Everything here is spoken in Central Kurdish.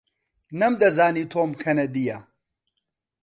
نەمدەزانی تۆم کەنەدییە.